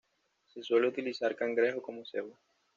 Se suele utilizar cangrejo como cebo.